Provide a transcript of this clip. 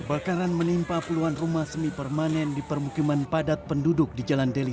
kebakaran menimpa puluhan rumah semi permanen di permukiman padat penduduk di jalan deli